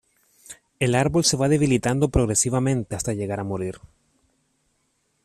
El árbol se va debilitando progresivamente hasta llegar a morir.